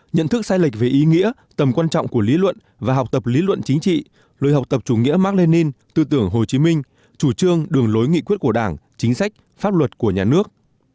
nhận thức sai lệch về ý nghĩa tầm quan trọng của lý luận và học tập lý luận chính trị lùi học tập chủ nghĩa mark lenin tư tưởng hồ chí minh chủ trương đường lối nghị quyết của đảng chính sách pháp luật của nhà nước